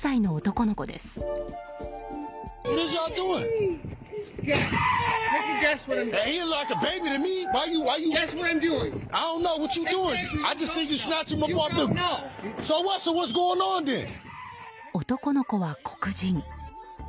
男の子は黒人。